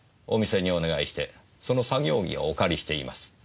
お店にお願いしてその作業着をお借りしています。